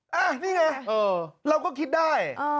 นี่ไงเราก็คิดได้